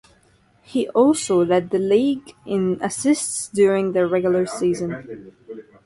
He also led the league in assists during the regular season.